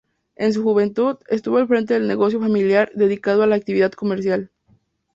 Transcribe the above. En su juventud, estuvo al frente del negocio familiar dedicado a la actividad comercial.